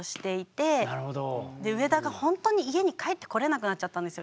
で上田がほんとに家に帰ってこれなくなっちゃったんですよ